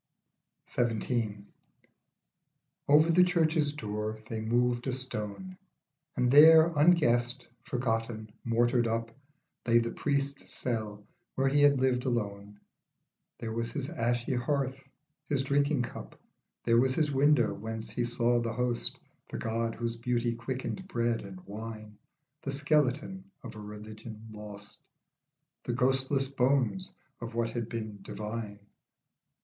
XVII. OVER the church's door they moved a stone, And there, unguessed, forgotten, mortared up, Lay the priest's cell where he had lived alone. There was his ashy hearth, his drinking cup, There was his window whence he saw the host, The God whose beauty quickened bread and wine ; The skeleton of a religion lost, The ghostless bones of what had been divine.